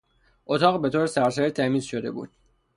اتاق به طور سرسری تمیز شده بود.